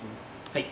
はい。